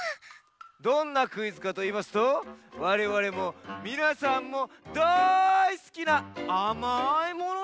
どんなクイズかといいますとわれわれもみなさんもだいすきなあまいものにかんするクイズです。